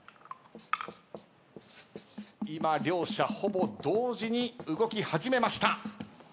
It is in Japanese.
今両者ほぼ同時に動き始めました。